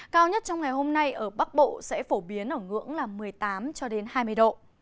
cao nhất trong ngày hôm nay ở bắc bộ sẽ phổ biến ở ngưỡng một mươi tám hai mươi độ